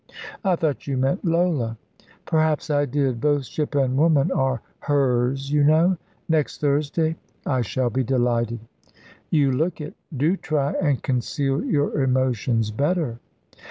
"I thought you meant Lola." "Perhaps I did; both ship and woman are 'hers,' you know. Next Thursday?" "I shall be delighted." "You look it. Do try and conceal your emotions better."